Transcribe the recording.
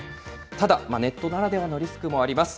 ただ、ネットならではのリスクもあります。